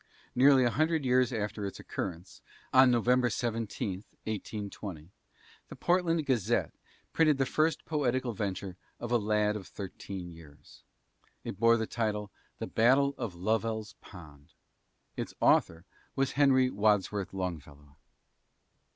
Nearly a hundred years after its occurrence, on November 17, 1820, the Portland Gazette printed the first poetical venture of a lad of thirteen years. It bore the title of "The Battle of Lovell's Pond." Its author was Henry Wadsworth Longfellow.